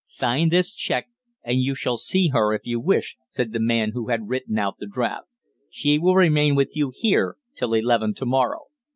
"Sign this cheque, and you shall see her if you wish," said the man who had written out the draft. "She will remain with you here till eleven to morrow."